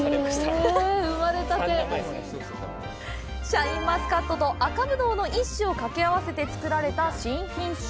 シャインマスカットと赤ブドウの一種をかけ合わせて作られた新品種。